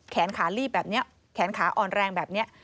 แขนขาลีบแบบนี้แขนขาอ่อนแรงแบบนี้